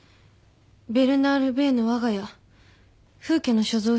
ベルナール・ベーの『我が家』フウ家の所蔵品。